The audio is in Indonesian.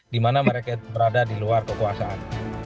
dimana mereka berada di luar kekuasaan